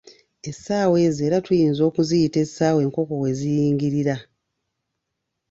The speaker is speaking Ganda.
Essaawa ezo era tuyinza okuziyita essaawa enkoko we ziyingirira.